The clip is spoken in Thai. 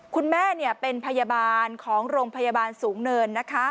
คุณแม่เป็นพยาบาลของโรงพยาบาลสูงเนิน